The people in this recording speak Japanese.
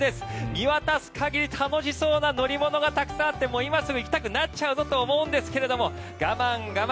見渡す限り楽しそうな乗り物がたくさんあってもう今すぐ行きたくなっちゃうぞと思うんですが、我慢我慢。